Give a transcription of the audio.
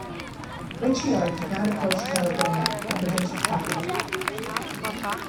Rechiar did not approach Tarragona, the provincial capital.